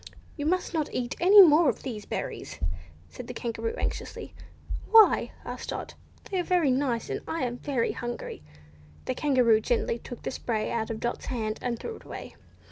"You must not eat any more of these berries," said the Kangaroo, anxiously. "Why?" asked Dot, "they are very nice, and I'm very hungry." The Kangaroo gently took the spray out of Dot's hand, and threw it away.